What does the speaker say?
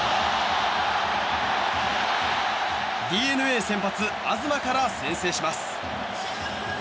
ＤｅＮＡ先発、東から先制します。